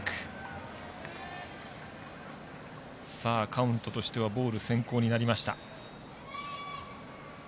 カウントとしてはボール先行になりました。